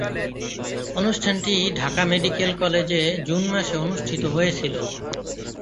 অনুষ্ঠানটি ঢাকা মেডিকেল কলেজে জুন মাসে অনুষ্ঠিত হয়েছিলো।